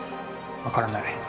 わからない。